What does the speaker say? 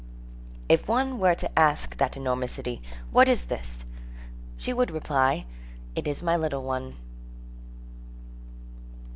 If one were to ask that enormous city: "What is this?" she would reply: "It is my little one."